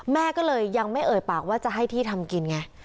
แม่ก็เลยยังไม่เอ่ยปากว่าจะให้ที่ทำกินไง